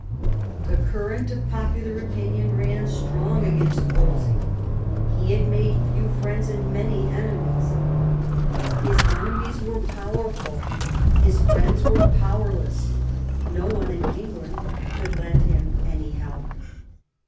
The current of popular opinion ran strong against Wolsey. He had made few friends and many enemies. His enemies were CHAP. X THE FALL OF WOLSEY 185 powerful, his friends were powerless. No one in England could lend him any help.